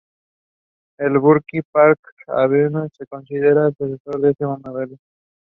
She has won the Geffen Award four times.